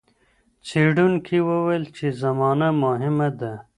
څېړونکي وویل چي زمانه مهمه ده.